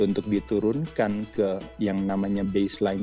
untuk diturunkan ke yang namanya baseline